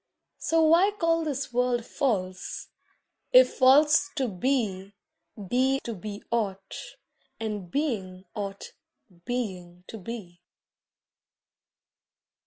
So why call this world false, if false to be Be to be aught, and being aught Being to be?